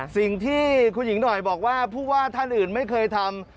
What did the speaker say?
สิ่งที่คุณหญิงหน่อยบอกว่าผู้ว่าท่านอื่นไม่เคยทำ